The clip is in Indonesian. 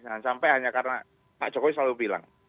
jangan sampai hanya karena pak jokowi selalu bilang